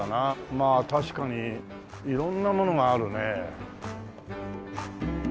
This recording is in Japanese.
まあ確かに色んなものがあるね。